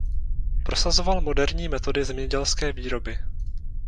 Prosazoval moderní metody zemědělské výroby.